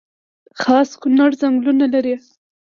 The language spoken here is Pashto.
خاص کونړ ځنګلونه لري؟